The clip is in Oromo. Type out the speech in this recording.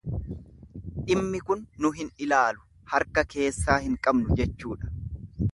Dhimmi kun nu hin ilaalu harka keessaa hin qabnu jechuudha.